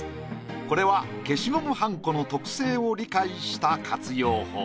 これは消しゴムはんこの特性を理解した活用法。